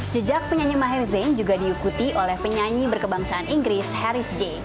jejak penyanyi maher zain juga diikuti oleh penyanyi berkebangsaan inggris harris j